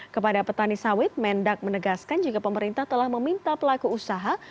kepada petani sawit mendak menegaskan jika pemerintah telah meminta pelaku usaha